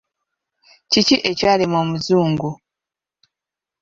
Kiki ekyalema omuzungu.